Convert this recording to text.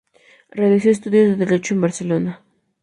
Realizó estudios de Derecho en Barcelona.